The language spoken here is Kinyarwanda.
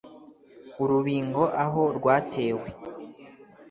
Urubingo aho rwatewe.